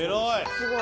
すごい。